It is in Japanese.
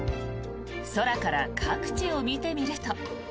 空から各地を見てみると。